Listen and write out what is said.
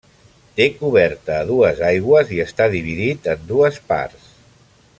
Té coberta a dues aigües i està dividit en dues parts.